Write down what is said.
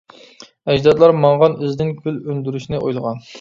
ئەجدادلار ماڭغان ئىزىدىن گۈل ئۈندۈرۈشنى ئويلىغان.